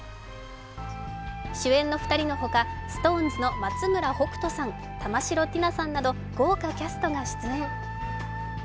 主演の２人の他、ＳｉｘＴＯＮＥＳの松村北斗さん、玉城ティナさんなど豪華キャストが出演。